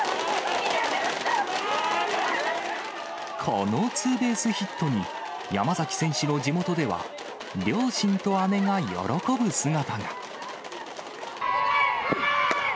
このツーベースヒットに、山崎選手の地元では、両親と姉が喜ぶ姿が。